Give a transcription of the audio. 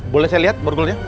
boleh saya lihat borgolnya